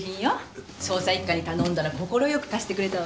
捜査一課に頼んだら快く貸してくれたわ。